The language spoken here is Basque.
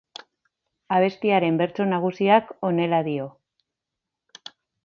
Abestiaren bertso nagusiak honela dio.